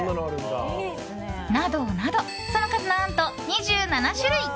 などなど、その数何と２７種類！